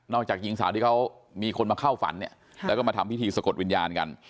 จากหญิงสาวที่เขามีคนมาเข้าฝันเนี่ยแล้วก็มาทำพิธีสะกดวิญญาณกัน